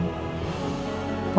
kamu bisa juga